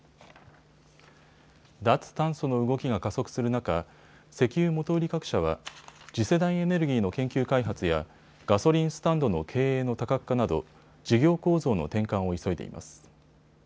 脱炭素の動きが加速する中、石油元売り各社は次世代エネルギーの研究開発やガソリンスタンドの経営の多角化など事業構造の転換を急いでいます。